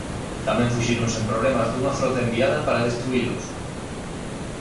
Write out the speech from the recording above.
Tamén fuxiron sen problemas dunha frota enviada para destruílos.